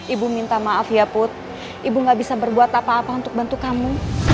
ibu minta maaf ya put ibu gak bisa berbuat apa apa untuk bantu kamu